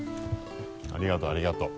ありがとうありがとう。